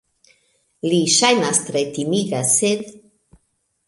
Li ŝajnas tre timiga... sed!